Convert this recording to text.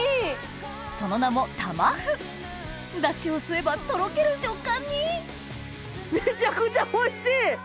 ・その名もたま麩ダシを吸えばとろける食感にめちゃくちゃおいしい！